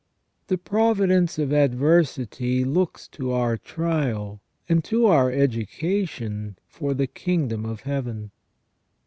The providence of adversity looks to our trial and to our education for the kingdom of Heaven.